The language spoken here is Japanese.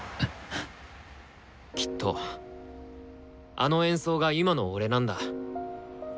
きっとあの演奏が今の俺なんだ。